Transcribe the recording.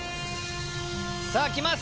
さあ来ます！